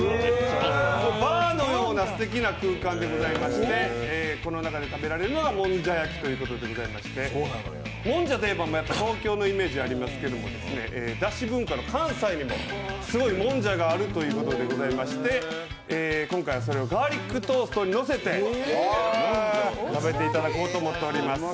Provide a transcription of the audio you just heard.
バーのようなすてきな空間でございましてこの中で食べられるのはもんじゃ焼きということでもんじゃといえば東京のイメージありますけどだし文化の関西でもすごいもんじゃがあるということでございまして今回はそれをガーリックトーストにのせて食べていただこうと思っております。